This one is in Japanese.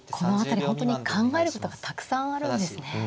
この辺り本当に考えることがたくさんあるんですね。